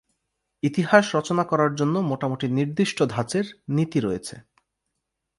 ইতিহাস রচনা করার জন্য মোটামুটি নির্দিষ্ট ধাঁচের নীতি রয়েছে।